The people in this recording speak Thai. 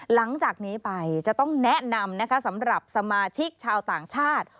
หลังจากนี้ไปจะต้องแนะนำนะคะสำหรับสมาชิกชาวต่างชาติ